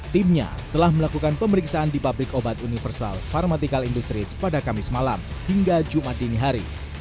timnya telah melakukan pemeriksaan di pabrik obat universal pharmatical industries pada kamis malam hingga jumat dini hari